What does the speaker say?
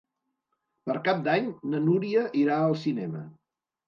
Per Cap d'Any na Núria irà al cinema.